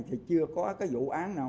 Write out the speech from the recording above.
thì chưa có cái vụ án nào